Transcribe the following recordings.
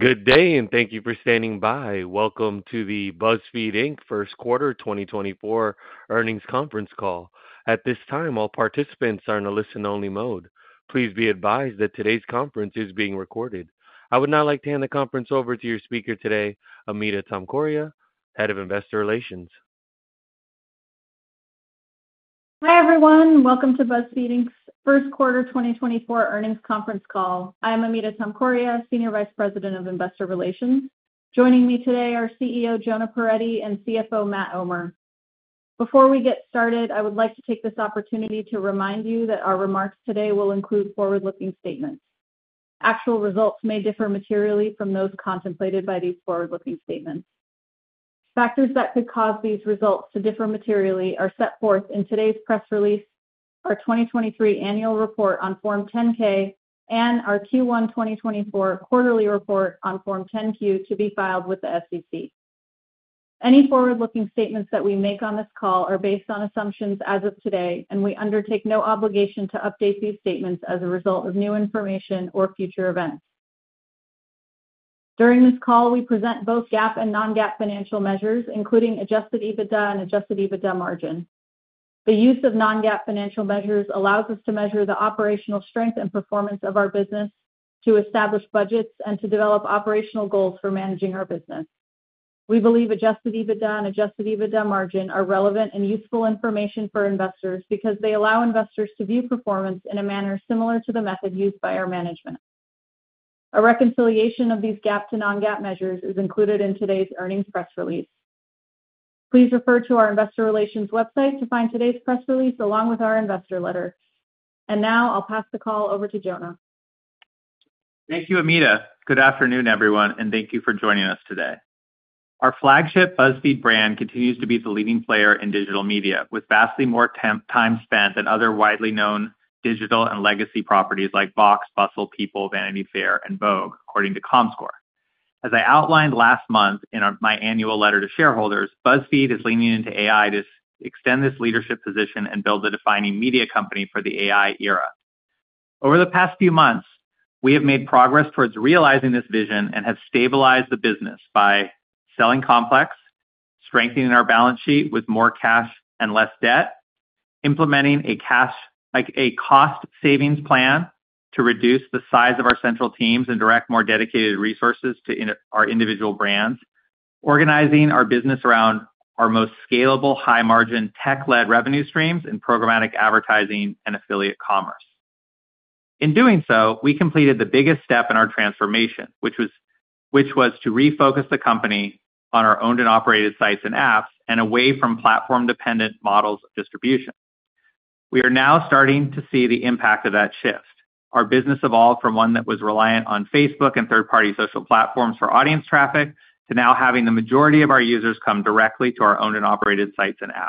Good day, and thank you for standing by. Welcome to the BuzzFeed, Inc. First Quarter 2024 Earnings Conference Call. At this time, all participants are in a listen-only mode. Please be advised that today's conference is being recorded. I would now like to hand the conference over to your speaker today, Amita Tomkoria, Head of Investor Relations. Hi, everyone, and welcome to BuzzFeed, Inc.'s First Quarter 2024 Earnings Conference Call. I am Amita Tomkoria, Senior Vice President of Investor Relations. Joining me today are CEO Jonah Peretti and CFO Matt Omer. Before we get started, I would like to take this opportunity to remind you that our remarks today will include forward-looking statements. Actual results may differ materially from those contemplated by these forward-looking statements. Factors that could cause these results to differ materially are set forth in today's press release, our 2023 Annual Report on Form 10-K, and our Q1 2024 Quarterly Report on Form 10-Q, to be filed with the SEC. Any forward-looking statements that we make on this call are based on assumptions as of today, and we undertake no obligation to update these statements as a result of new information or future events. During this call, we present both GAAP and non-GAAP financial measures, including Adjusted EBITDA and Adjusted EBITDA margin. The use of non-GAAP financial measures allows us to measure the operational strength and performance of our business, to establish budgets, and to develop operational goals for managing our business. We believe Adjusted EBITDA and Adjusted EBITDA margin are relevant and useful information for investors because they allow investors to view performance in a manner similar to the method used by our management. A reconciliation of these GAAP to non-GAAP measures is included in today's earnings press release. Please refer to our investor relations website to find today's press release, along with our investor letter. Now I'll pass the call over to Jonah. Thank you, Amita. Good afternoon, everyone, and thank you for joining us today. Our flagship BuzzFeed brand continues to be the leading player in digital media, with vastly more time spent than other widely known digital and legacy properties like Vox, Bustle, People, Vanity Fair, and Vogue, according to Comscore. As I outlined last month in my annual letter to shareholders, BuzzFeed is leaning into AI to extend this leadership position and build a defining media company for the AI era. Over the past few months, we have made progress towards realizing this vision and have stabilized the business by selling Complex, strengthening our balance sheet with more cash and less debt, implementing a cost savings plan to reduce the size of our central teams and direct more dedicated resources to our individual brands, organizing our business around our most scalable, high-margin, tech-led revenue streams in programmatic advertising and affiliate commerce. In doing so, we completed the biggest step in our transformation, which was to refocus the company on our owned and operated sites and apps and away from platform-dependent models of distribution. We are now starting to see the impact of that shift. Our business evolved from one that was reliant on Facebook and third-party social platforms for audience traffic, to now having the majority of our users come directly to our owned and operated sites and apps.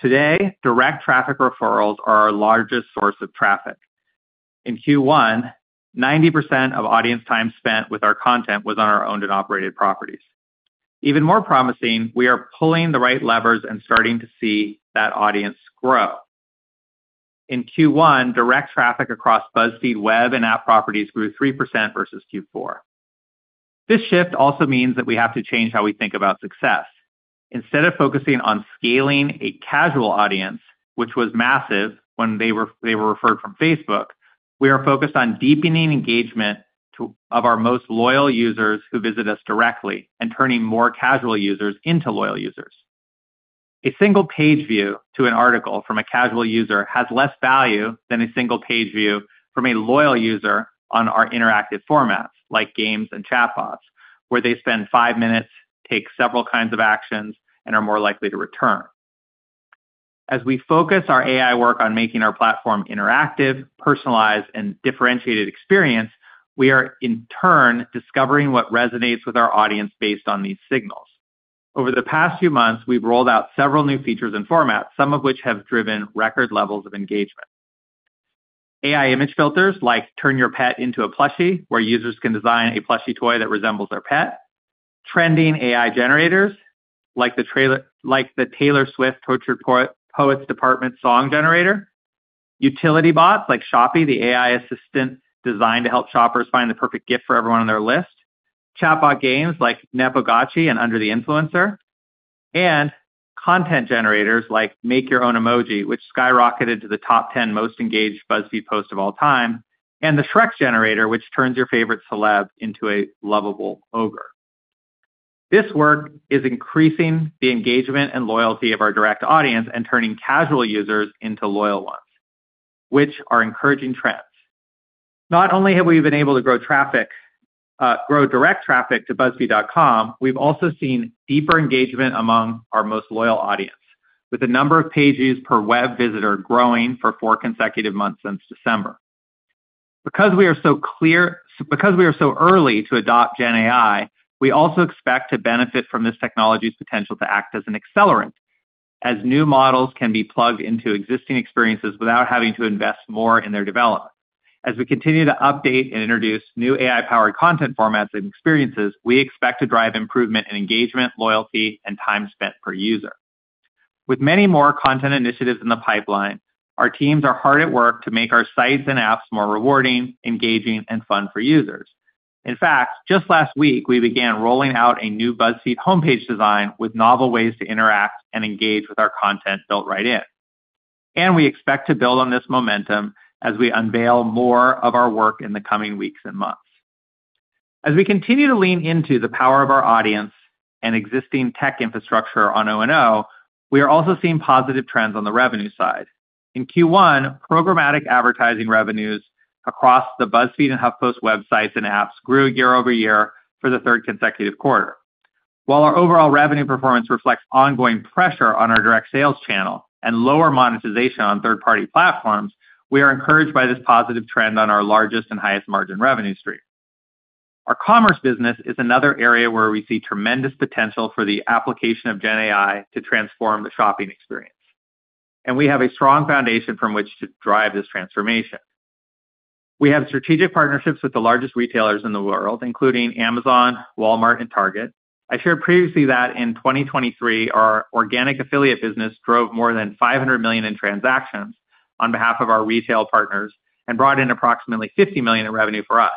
Today, direct traffic referrals are our largest source of traffic. In Q1, 90% of audience time spent with our content was on our owned and operated properties. Even more promising, we are pulling the right levers and starting to see that audience grow. In Q1, direct traffic across BuzzFeed web and app properties grew 3% versus Q4. This shift also means that we have to change how we think about success. Instead of focusing on scaling a casual audience, which was massive when they were referred from Facebook, we are focused on deepening engagement of our most loyal users who visit us directly and turning more casual users into loyal users. A single page view to an article from a casual user has less value than a single page view from a loyal user on our interactive formats, like games and chatbots, where they spend five minutes, take several kinds of actions, and are more likely to return. As we focus our AI work on making our platform interactive, personalized, and differentiated experience, we are, in turn, discovering what resonates with our audience based on these signals. Over the past few months, we've rolled out several new features and formats, some of which have driven record levels of engagement. AI image filters like Turn Your Pet into a Plushie, where users can design a plushie toy that resembles their pet. Trending AI generators like the Taylor Swift Poets Department Song Generator. Utility bots like Shoppy, the AI assistant designed to help shoppers find the perfect gift for everyone on their list. Chatbot games like Nepogotchi and Under the Influencer, and content generators like Make Your Own Emoji, which skyrocketed to the top ten most engaged BuzzFeed posts of all time, and the Shrek Generator, which turns your favorite celeb into a lovable ogre. This work is increasing the engagement and loyalty of our direct audience and turning casual users into loyal ones, which are encouraging trends. Not only have we been able to grow traffic, grow direct traffic to BuzzFeed.com, we've also seen deeper engagement among our most loyal audience, with the number of page views per web visitor growing for four consecutive months since December. Because we are so early to adopt Gen AI, we also expect to benefit from this technology's potential to act as an accelerant, as new models can be plugged into existing experiences without having to invest more in their development. As we continue to update and introduce new AI-powered content formats and experiences, we expect to drive improvement in engagement, loyalty, and time spent per user. With many more content initiatives in the pipeline, our teams are hard at work to make our sites and apps more rewarding, engaging, and fun for users. In fact, just last week, we began rolling out a new BuzzFeed homepage design with novel ways to interact and engage with our content built right in. We expect to build on this momentum as we unveil more of our work in the coming weeks and months. As we continue to lean into the power of our audience and existing tech infrastructure on O&O, we are also seeing positive trends on the revenue side. In Q1, programmatic advertising revenues across the BuzzFeed and HuffPost websites and apps grew year over year for the third consecutive quarter. While our overall revenue performance reflects ongoing pressure on our direct sales channel and lower monetization on third-party platforms, we are encouraged by this positive trend on our largest and highest margin revenue stream. Our commerce business is another area where we see tremendous potential for the application of Gen AI to transform the shopping experience, and we have a strong foundation from which to drive this transformation. We have strategic partnerships with the largest retailers in the world, including Amazon, Walmart, and Target. I shared previously that in 2023, our organic affiliate business drove more than 500 million in transactions on behalf of our retail partners and brought in approximately $50 million in revenue for us.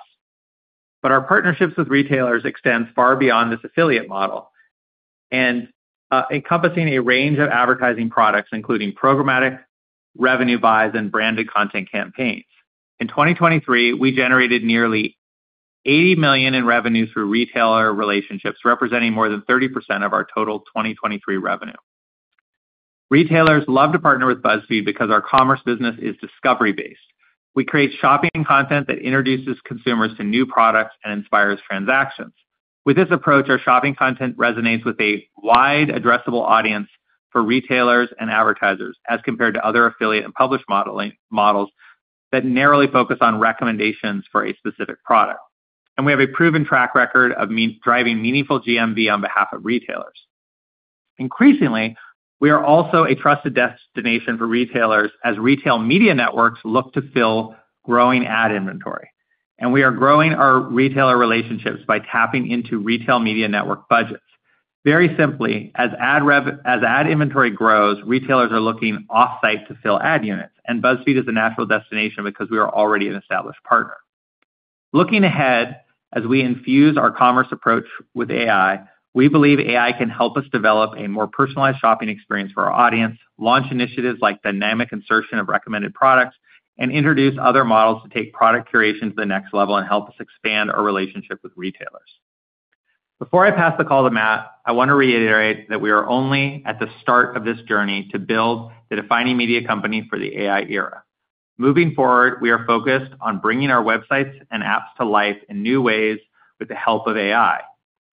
But our partnerships with retailers extends far beyond this affiliate model and, encompassing a range of advertising products, including programmatic revenue buys and branded content campaigns. In 2023, we generated nearly $80 million in revenue through retailer relationships, representing more than 30% of our total 2023 revenue. Retailers love to partner with BuzzFeed because our commerce business is discovery-based. We create shopping content that introduces consumers to new products and inspires transactions. With this approach, our shopping content resonates with a wide addressable audience for retailers and advertisers, as compared to other affiliate and publish models that narrowly focus on recommendations for a specific product. And we have a proven track record of driving meaningful GMV on behalf of retailers. Increasingly, we are also a trusted destination for retailers as retail media networks look to fill growing ad inventory, and we are growing our retailer relationships by tapping into retail media network budgets. Very simply, as ad inventory grows, retailers are looking off-site to fill ad units, and BuzzFeed is a natural destination because we are already an established partner. Looking ahead, as we infuse our commerce approach with AI, we believe AI can help us develop a more personalized shopping experience for our audience, launch initiatives like dynamic insertion of recommended products, and introduce other models to take product curation to the next level and help us expand our relationship with retailers. Before I pass the call to Matt, I want to reiterate that we are only at the start of this journey to build the defining media company for the AI era. Moving forward, we are focused on bringing our websites and apps to life in new ways with the help of AI,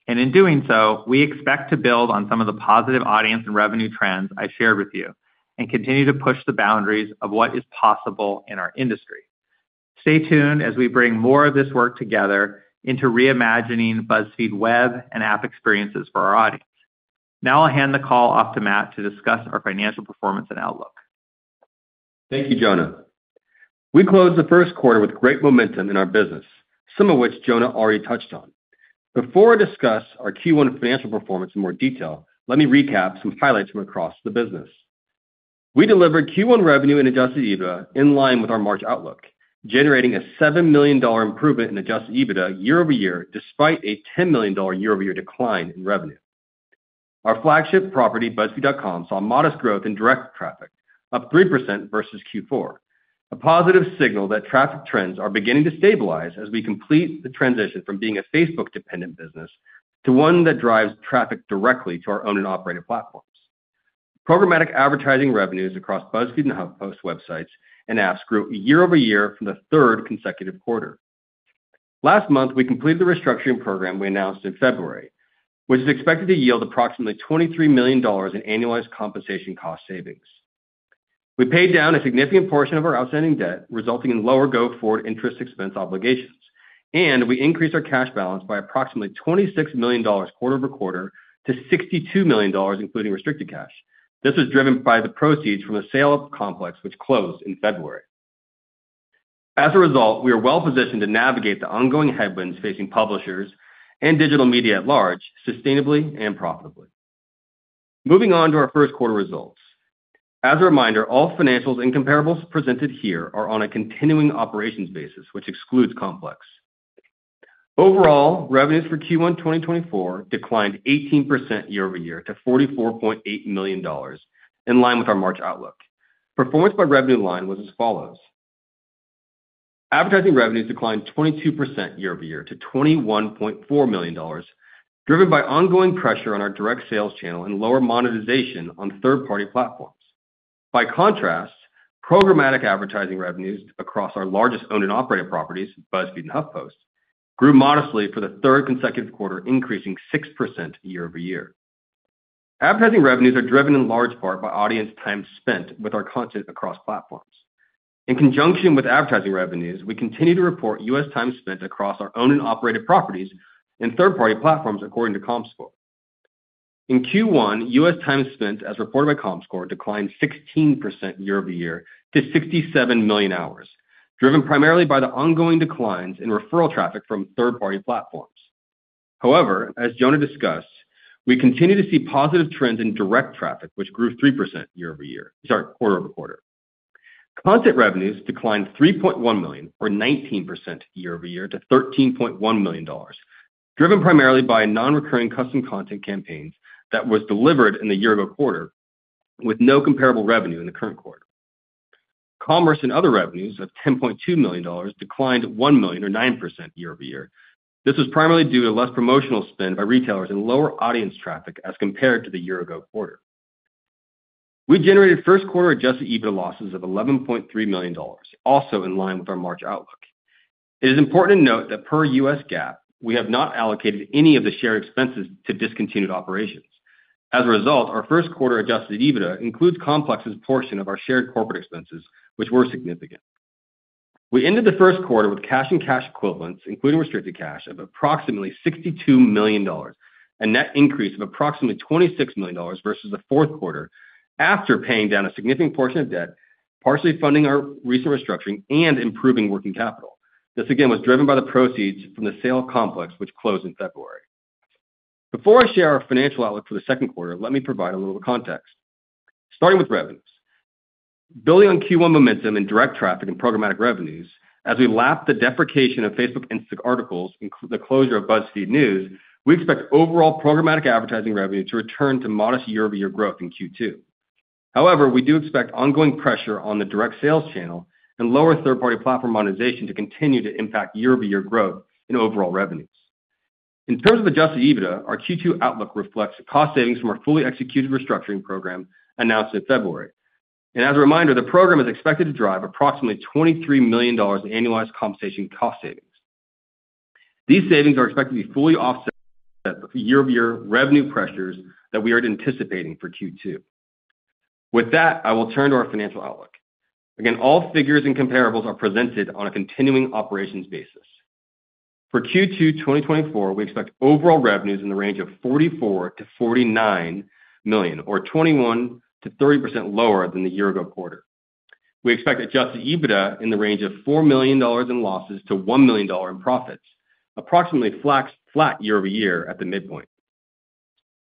and in doing so, we expect to build on some of the positive audience and revenue trends I shared with you and continue to push the boundaries of what is possible in our industry. Stay tuned as we bring more of this work together into reimagining BuzzFeed web and app experiences for our audience. Now I'll hand the call off to Matt to discuss our financial performance and outlook. Thank you, Jonah. We closed the first quarter with great momentum in our business, some of which Jonah already touched on. Before I discuss our Q1 financial performance in more detail, let me recap some highlights from across the business. We delivered Q1 revenue and Adjusted EBITDA in line with our March outlook, generating a $7 million improvement in Adjusted EBITDA year-over-year, despite a $10 million year-over-year decline in revenue. Our flagship property, BuzzFeed.com, saw modest growth in direct traffic, up 3% versus Q4, a positive signal that traffic trends are beginning to stabilize as we complete the transition from being a Facebook-dependent business to one that drives traffic directly to our owned and operated platforms. Programmatic advertising revenues across BuzzFeed and HuffPost websites and apps grew year-over-year for the third consecutive quarter. Last month, we completed the restructuring program we announced in February, which is expected to yield approximately $23 million in annualized compensation cost savings. We paid down a significant portion of our outstanding debt, resulting in lower go-forward interest expense obligations, and we increased our cash balance by approximately $26 million quarter-over-quarter to $62 million, including restricted cash. This is driven by the proceeds from the sale of Complex, which closed in February. As a result, we are well positioned to navigate the ongoing headwinds facing publishers and digital media at large, sustainably and profitably. Moving on to our first quarter results. As a reminder, all financials and comparables presented here are on a continuing operations basis, which excludes Complex. Overall, revenues for Q1 2024 declined 18% year-over-year to $44.8 million, in line with our March outlook. Performance by revenue line was as follows: Advertising revenues declined 22% year-over-year to $21.4 million, driven by ongoing pressure on our direct sales channel and lower monetization on third-party platforms. By contrast, programmatic advertising revenues across our largest owned and operated properties, BuzzFeed and HuffPost, grew modestly for the third consecutive quarter, increasing 6% year-over-year. Advertising revenues are driven in large part by audience time spent with our content across platforms. In conjunction with advertising revenues, we continue to report U.S. time spent across our owned and operated properties and third-party platforms, according to Comscore. In Q1, U.S. time spent, as reported by Comscore, declined 16% year-over-year to 67 million hours, driven primarily by the ongoing declines in referral traffic from third-party platforms.... However, as Jonah discussed, we continue to see positive trends in direct traffic, which grew 3% year-over-year. Sorry, quarter-over-quarter. Content revenues declined $3.1 million, or 19% year-over-year, to $13.1 million, driven primarily by a non-recurring custom content campaign that was delivered in the year-ago quarter, with no comparable revenue in the current quarter. Commerce and other revenues of $10.2 million declined $1 million or 9% year-over-year. This was primarily due to less promotional spend by retailers and lower audience traffic as compared to the year-ago quarter. We generated first quarter Adjusted EBITDA losses of $11.3 million, also in line with our March outlook. It is important to note that per U.S. GAAP, we have not allocated any of the shared expenses to discontinued operations. As a result, our first quarter Adjusted EBITDA includes Complex's portion of our shared corporate expenses, which were significant. We ended the first quarter with cash and cash equivalents, including restricted cash, of approximately $62 million, a net increase of approximately $26 million versus the fourth quarter, after paying down a significant portion of debt, partially funding our recent restructuring and improving working capital. This, again, was driven by the proceeds from the sale of Complex, which closed in February. Before I share our financial outlook for the second quarter, let me provide a little context. Starting with revenues. Building on Q1 momentum in direct traffic and programmatic revenues, as we lap the deprecation of Facebook Instant Articles, including the closure of BuzzFeed News, we expect overall programmatic advertising revenue to return to modest year-over-year growth in Q2. However, we do expect ongoing pressure on the direct sales channel and lower third-party platform monetization to continue to impact year-over-year growth in overall revenues. In terms of Adjusted EBITDA, our Q2 outlook reflects the cost savings from our fully executed restructuring program announced in February. As a reminder, the program is expected to drive approximately $23 million in annualized compensation cost savings. These savings are expected to be fully offset by year-over-year revenue pressures that we are anticipating for Q2. With that, I will turn to our financial outlook. Again, all figures and comparables are presented on a continuing operations basis. For Q2 2024, we expect overall revenues in the range of $44 million-$49 million, or 21%-30% lower than the year-ago quarter. We expect Adjusted EBITDA in the range of $4 million in losses to $1 million in profits, approximately flat year-over-year at the midpoint.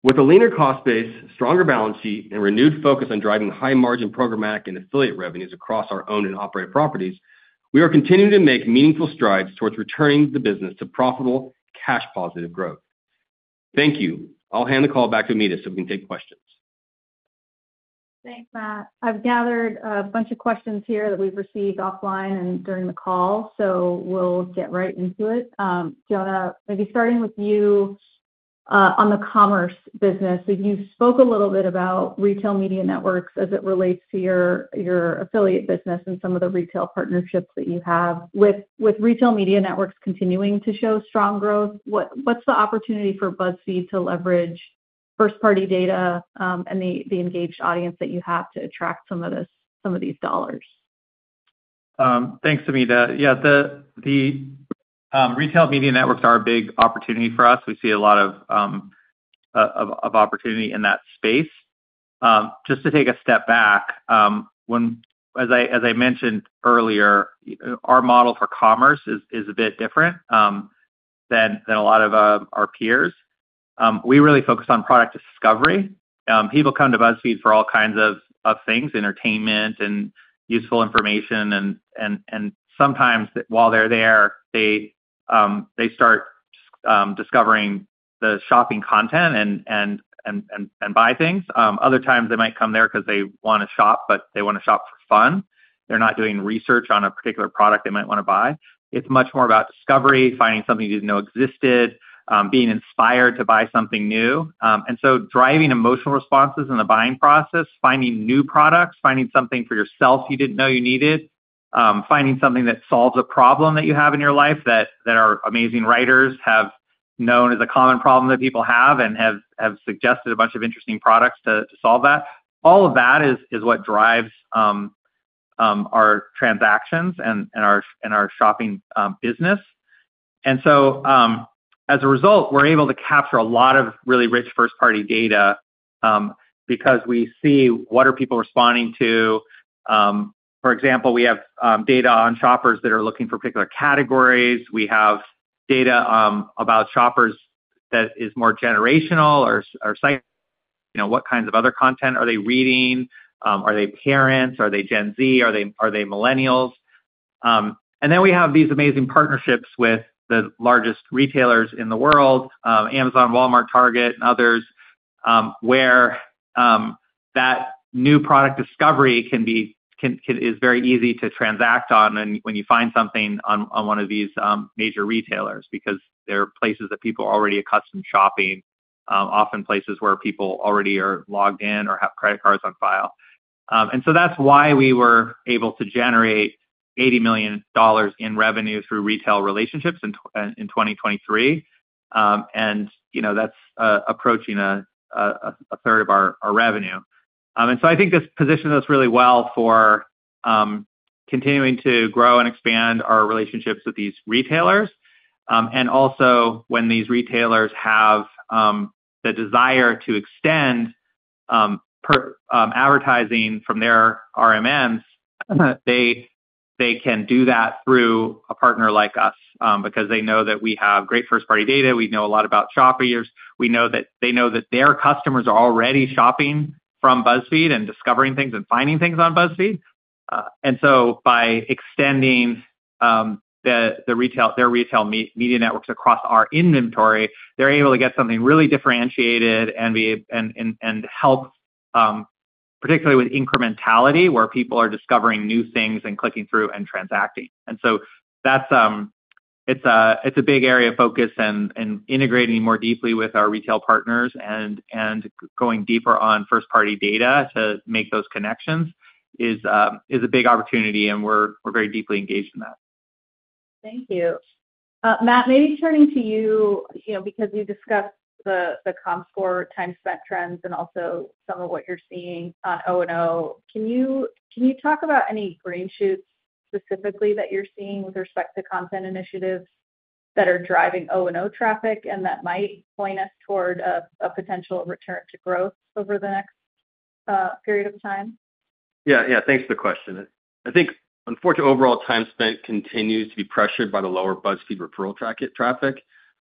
With a leaner cost base, stronger balance sheet, and renewed focus on driving high-margin programmatic and affiliate revenues across our own and operated properties, we are continuing to make meaningful strides towards returning the business to profitable, cash positive growth. Thank you. I'll hand the call back to Amita, so we can take questions. Thanks, Matt. I've gathered a bunch of questions here that we've received offline and during the call, so we'll get right into it. Jonah, maybe starting with you, on the commerce business. So you spoke a little bit about retail media networks as it relates to your affiliate business and some of the retail partnerships that you have. With retail media networks continuing to show strong growth, what's the opportunity for BuzzFeed to leverage first-party data, and the engaged audience that you have to attract some of this—some of these dollars? Thanks, Amita. Yeah, the retail media networks are a big opportunity for us. We see a lot of opportunity in that space. Just to take a step back. As I mentioned earlier, our model for commerce is a bit different than a lot of our peers. We really focus on product discovery. People come to BuzzFeed for all kinds of things, entertainment and useful information. And sometimes while they're there, they start discovering the shopping content and buy things. Other times they might come there because they wanna shop, but they wanna shop for fun. They're not doing research on a particular product they might wanna buy. It's much more about discovery, finding something you didn't know existed, being inspired to buy something new. And so driving emotional responses in the buying process, finding new products, finding something for yourself you didn't know you needed, finding something that solves a problem that you have in your life, that our amazing writers have known as a common problem that people have and have suggested a bunch of interesting products to solve that. All of that is what drives our transactions and our shopping business. And so, as a result, we're able to capture a lot of really rich first-party data, because we see what are people responding to. For example, we have data on shoppers that are looking for particular categories. We have data about shoppers that is more generational or site-specific. You know, what kinds of other content are they reading? Are they parents? Are they Gen Z? Are they millennials? And then we have these amazing partnerships with the largest retailers in the world, Amazon, Walmart, Target, and others, where that new product discovery is very easy to transact on and when you find something on one of these major retailers, because they're places that people are already accustomed to shopping, often places where people already are logged in or have credit cards on file. And so that's why we were able to generate $80 million in revenue through retail relationships in 2023. And, you know, that's approaching a third of our revenue. And so I think this positions us really well for continuing to grow and expand our relationships with these retailers. And also when these retailers have the desire to extend-... their advertising from their RMNs, they can do that through a partner like us, because they know that we have great first-party data. We know a lot about shoppers. We know that they know that their customers are already shopping from BuzzFeed and discovering things and finding things on BuzzFeed. And so by extending the retail media networks across our inventory, they're able to get something really differentiated and help, particularly with incrementality, where people are discovering new things and clicking through and transacting. And so that's a big area of focus and integrating more deeply with our retail partners and going deeper on first-party data to make those connections is a big opportunity, and we're very deeply engaged in that. Thank you. Matt, maybe turning to you, you know, because you discussed the Comscore time spent trends and also some of what you're seeing on O&O. Can you talk about any green shoots specifically that you're seeing with respect to content initiatives that are driving O&O traffic and that might point us toward a potential return to growth over the next period of time? Yeah. Yeah, thanks for the question. I think, unfortunately, overall time spent continues to be pressured by the lower BuzzFeed referral traffic.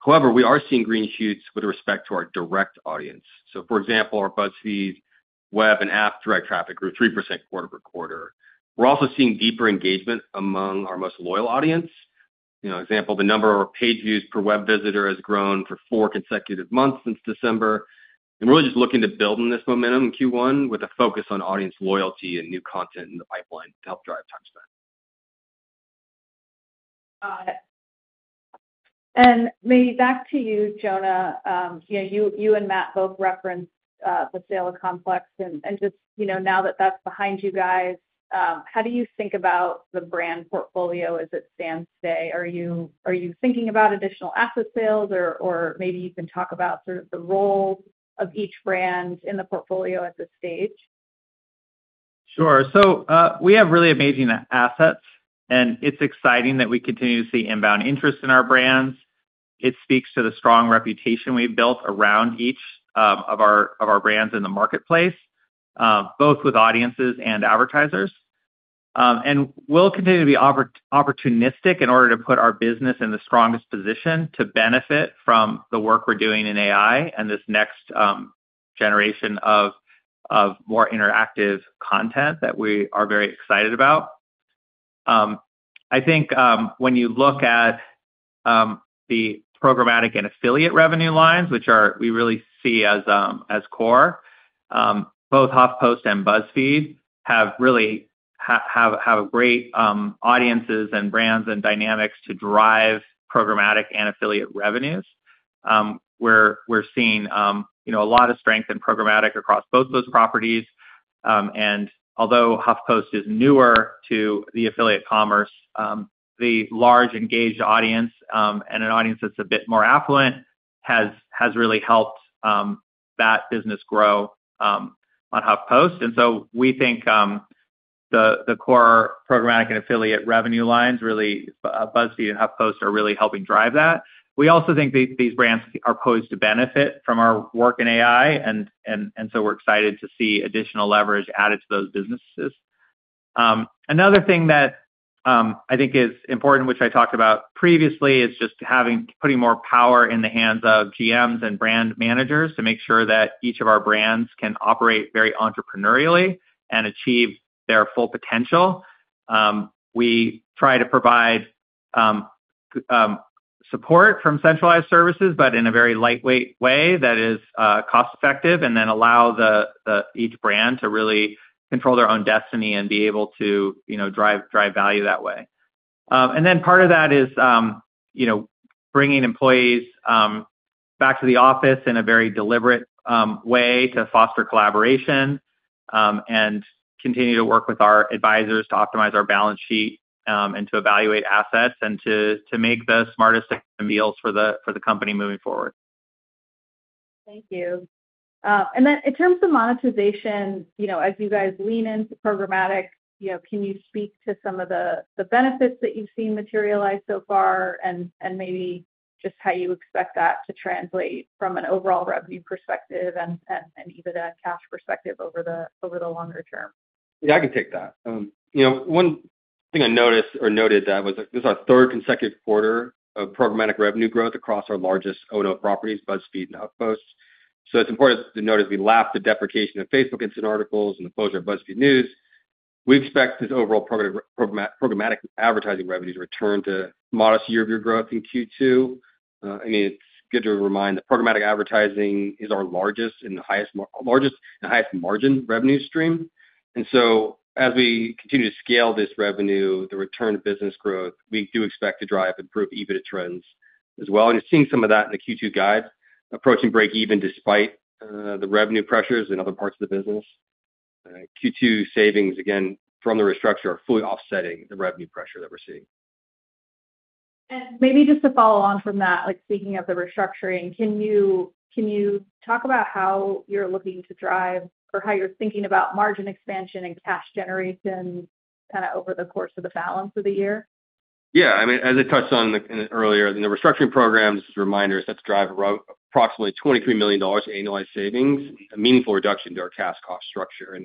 However, we are seeing green shoots with respect to our direct audience. So for example, our BuzzFeed web and app direct traffic grew 3% quarter-over-quarter. We're also seeing deeper engagement among our most loyal audience. You know, example, the number of page views per web visitor has grown for four consecutive months since December. And we're really just looking to building this momentum in Q1 with a focus on audience loyalty and new content in the pipeline to help drive time spent. Got it. Maybe back to you, Jonah. You know, you and Matt both referenced the sale of Complex. And just, you know, now that that's behind you guys, how do you think about the brand portfolio as it stands today? Are you thinking about additional asset sales? Or maybe you can talk about sort of the role of each brand in the portfolio at this stage. Sure. So, we have really amazing assets, and it's exciting that we continue to see inbound interest in our brands. It speaks to the strong reputation we've built around each, of our, of our brands in the marketplace, both with audiences and advertisers. And we'll continue to be opportunistic in order to put our business in the strongest position to benefit from the work we're doing in AI and this next, generation of, of more interactive content that we are very excited about. I think, when you look at, the programmatic and affiliate revenue lines, which are we really see as, as core, both HuffPost and BuzzFeed have really have, have great, audiences and brands and dynamics to drive programmatic and affiliate revenues. We're seeing, you know, a lot of strength in programmatic across both of those properties. And although HuffPost is newer to the affiliate commerce, the large, engaged audience, and an audience that's a bit more affluent, has really helped that business grow on HuffPost. And so we think the core programmatic and affiliate revenue lines, really, BuzzFeed and HuffPost are really helping drive that. We also think these brands are poised to benefit from our work in AI, and so we're excited to see additional leverage added to those businesses. Another thing that I think is important, which I talked about previously, is just putting more power in the hands of GMs and brand managers to make sure that each of our brands can operate very entrepreneurially and achieve their full potential. We try to provide support from centralized services, but in a very lightweight way that is cost-effective, and then allow each brand to really control their own destiny and be able to, you know, drive value that way. And then part of that is, you know, bringing employees back to the office in a very deliberate way to foster collaboration, and continue to work with our advisors to optimize our balance sheet, and to evaluate assets and to make the smartest deals for the company moving forward. Thank you. And then in terms of monetization, you know, as you guys lean into programmatic, you know, can you speak to some of the benefits that you've seen materialize so far? And maybe just how you expect that to translate from an overall revenue perspective and EBITDA cash perspective over the longer term. Yeah, I can take that. You know, one thing I noticed or noted that was, this is our third consecutive quarter of programmatic revenue growth across our largest O&O properties, BuzzFeed and HuffPost. So it's important to note, as we lap the deprecation of Facebook Instant Articles and the closure of BuzzFeed News, we expect this overall programmatic advertising revenues to return to modest year-over-year growth in Q2. I mean, it's good to remind that programmatic advertising is our largest and highest margin revenue stream. And so as we continue to scale this revenue, the return of business growth, we do expect to drive improved EBITDA trends as well. And you're seeing some of that in the Q2 guide, approaching break even despite the revenue pressures in other parts of the business. Q2 savings, again, from the restructure, are fully offsetting the revenue pressure that we're seeing. Maybe just to follow on from that, like, speaking of the restructuring, can you, can you talk about how you're looking to drive or how you're thinking about margin expansion and cash generation kinda over the course of the balance of the year?... Yeah, I mean, as I touched on in the restructuring programs, just a reminder, that's drive around approximately $23 million annualized savings, a meaningful reduction to our cash cost structure.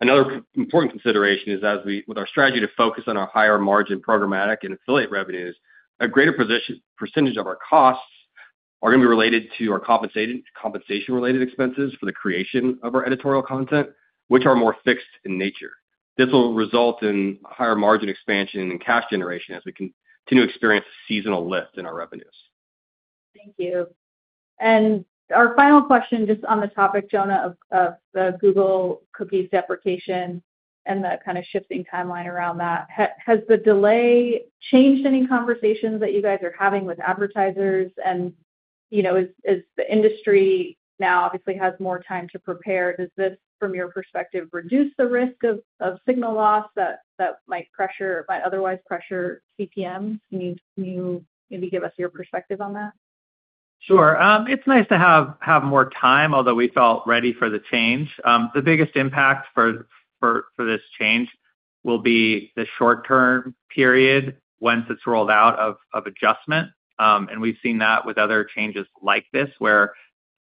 Another important consideration is as we, with our strategy to focus on our higher margin programmatic and affiliate revenues, a greater percentage of our costs are gonna be related to our compensation-related expenses for the creation of our editorial content, which are more fixed in nature. This will result in higher margin expansion and cash generation as we continue to experience a seasonal lift in our revenues. Thank you. Our final question, just on the topic, Jonah, of the Google cookie deprecation and the kind of shifting timeline around that. Has the delay changed any conversations that you guys are having with advertisers? And, you know, as the industry now obviously has more time to prepare, does this, from your perspective, reduce the risk of signal loss that might otherwise pressure CPMs? Can you maybe give us your perspective on that? Sure. It's nice to have more time, although we felt ready for the change. The biggest impact for this change will be the short-term period, once it's rolled out, of adjustment. We've seen that with other changes like this, where,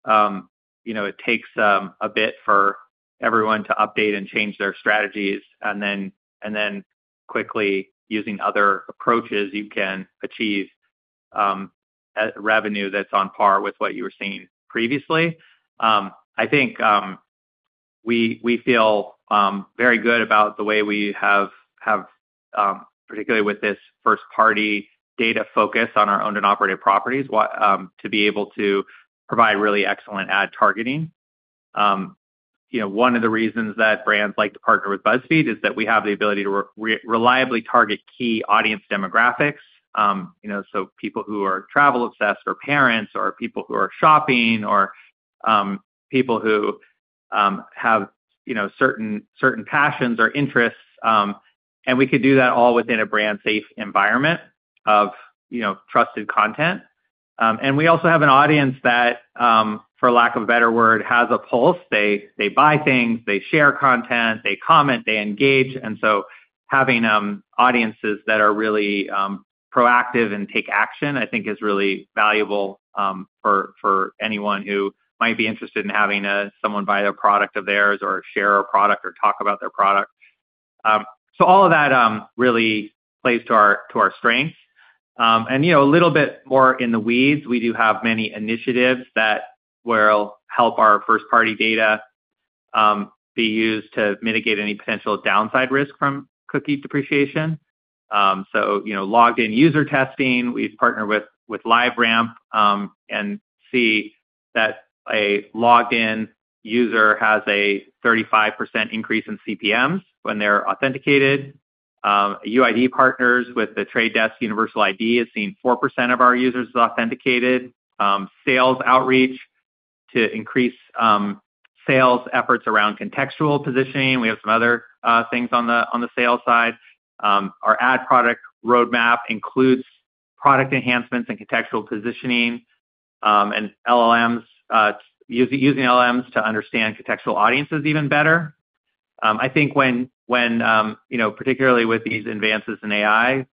you know, it takes a bit for everyone to update and change their strategies, and then quickly, using other approaches, you can achieve a revenue that's on par with what you were seeing previously. I think we feel very good about the way we have, particularly with this first-party data focus on our owned and operated properties, to be able to provide really excellent ad targeting. You know, one of the reasons that brands like to partner with BuzzFeed is that we have the ability to reliably target key audience demographics. You know, so people who are travel obsessed, or parents, or people who are shopping, or, people who, have, you know, certain, certain passions or interests, and we could do that all within a brand safe environment of, you know, trusted content. And we also have an audience that, for lack of a better word, has a pulse. They, they buy things, they share content, they comment, they engage. And so having, audiences that are really, proactive and take action, I think is really valuable, for, for anyone who might be interested in having, someone buy a product of theirs or share a product or talk about their product. So all of that really plays to our strengths. And, you know, a little bit more in the weeds, we do have many initiatives that will help our first-party data be used to mitigate any potential downside risk from cookie deprecation. So, you know, logged in user testing, we've partnered with LiveRamp, and see that a logged in user has a 35% increase in CPMs when they're authenticated. UID partners with The Trade Desk Universal ID has seen 4% of our users authenticated. Sales outreach to increase sales efforts around contextual positioning. We have some other things on the sales side. Our ad product roadmap includes product enhancements and contextual positioning, and LLMs using LLMs to understand contextual audiences even better. I think when you know, particularly with these advances in AI,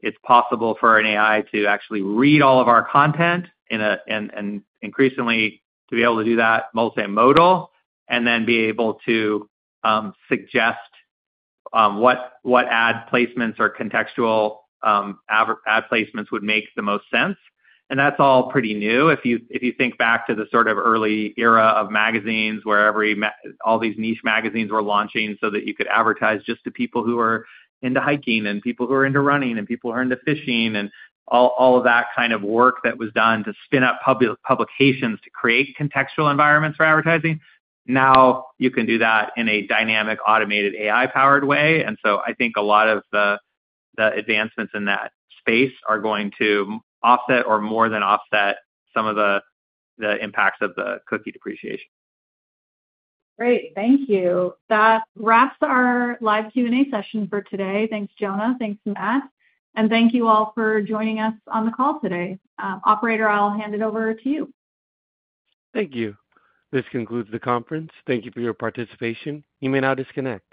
it's possible for an AI to actually read all of our content, and increasingly to be able to do that multimodal, and then be able to suggest what ad placements or contextual ad placements would make the most sense. That's all pretty new. If you think back to the sort of early era of magazines, where all these niche magazines were launching, so that you could advertise just to people who are into hiking and people who are into running and people who are into fishing, and all of that kind of work that was done to spin up publications to create contextual environments for advertising. Now, you can do that in a dynamic, automated, AI-powered way. And so I think a lot of the advancements in that space are going to offset or more than offset some of the impacts of the cookie deprecation. Great. Thank you. That wraps our live Q&A session for today. Thanks, Jonah. Thanks, Matt. And thank you all for joining us on the call today. Operator, I'll hand it over to you. Thank you. This concludes the conference. Thank you for your participation. You may now disconnect.